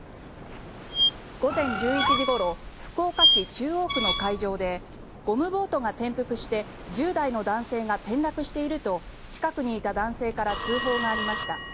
午前１１時ごろ福岡市中央区の海上でゴムボートが転覆して１０代の男性が転落していると近くにいた男性から通報がありました。